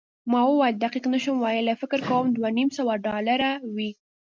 ما وویل، دقیق نه شم ویلای، فکر کوم دوه نیم سوه ډالره وي.